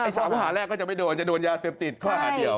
สองข้อหาแรกก็จะไม่โดนจะโดนยาเสพติดข้อหาเดียว